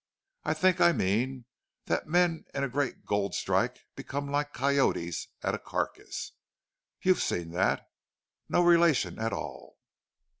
I think I mean that men in a great gold strike become like coyotes at a carcass. You've seen that. No relation at all!"